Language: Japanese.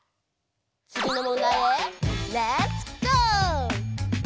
つぎのもんだいへレッツゴー！